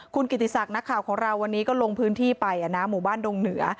คุณกิติศักดิ์นักข่าวของเราวันนี้ก็ลงพื้นที่ไปหมู่บ้านดงเหนือ